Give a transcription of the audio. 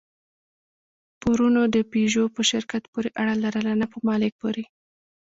پورونو د پيژو په شرکت پورې اړه لرله، نه په مالک پورې.